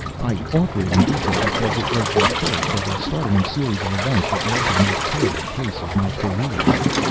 I offer it in detail because it was the first of a startling series of events that led to the most terrible case of my career.